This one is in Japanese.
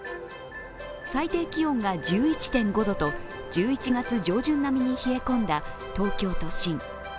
最低気温が１１．５度と１１月上旬並みに冷え込んだ東京都心。